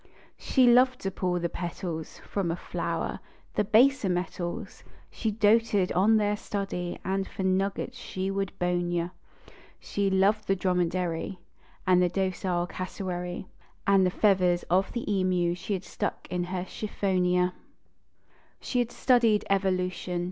She loved to pull the petals From a flower. The baser metals She doted on their study, and for nuggets she would bone you. She loved the dromedary, And the docile cassow r ary, And the feathers of the emu she had stuck in her "chiffonier." THE CHAi ; TA( QUAN MAID 57 She had studied evolution.